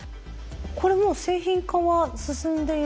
これもう製品化は進んでいる？